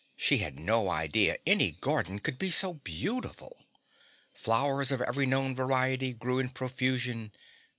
She had no idea any garden could be so beautiful. Flowers of every known variety grew in profusion.